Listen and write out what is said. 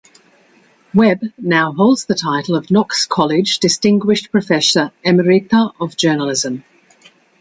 Webb now holds the title of Knox College Distinguished Professor Emerita of Journalism.